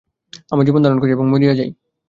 আমরা জীবনধারণ করি এবং মরিয়া যাই।